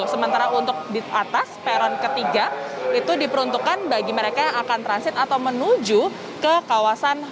sementara untuk di atas peron ketiga itu diperuntukkan bagi mereka yang akan transit atau menuju ke kawasan